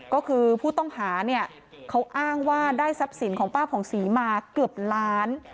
ก็คือผู้ต้องหาเนี่ยเขาอ้างว่าได้ทรัพย์สินของป้าผ่องศรีมาเกือบล้าน